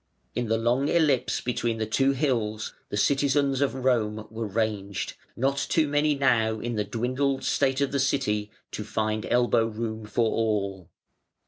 In the long ellipse between the two hills the citizens of Rome were ranged, not too many now in the dwindled state of the City to find elbow room for all.